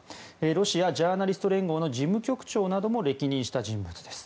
ロシアジャーナリスト連合の事務局長なども歴任した人物です。